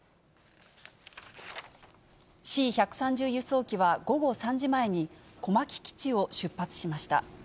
Ｃ１３０輸送機は、午後３時前に、小牧基地を出発しました。